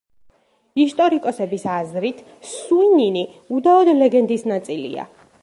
ისტორიკოსების აზრით სუინინი უდაოდ ლეგენდის ნაწილია.